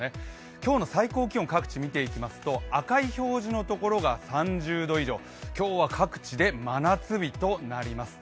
今日の最高気温、各地見ていきますと赤い表示のところが３０度以上、今日は各地で真夏日となります。